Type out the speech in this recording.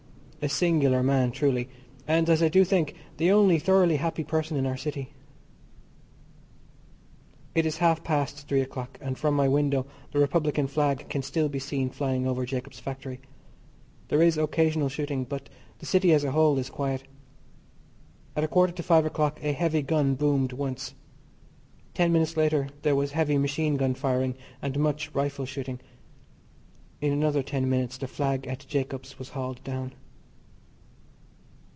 A singular man truly, and as I do think the only thoroughly happy person in our city. It is half past three o'clock, and from my window the Republican flag can still be seen flying over Jacob's factory. There is occasional shooting, but the city as a whole is quiet. At a quarter to five o'clock a heavy gun boomed once. Ten minutes later there was heavy machine gun firing and much rifle shooting. In another ten minutes the flag at Jacob's was hauled down.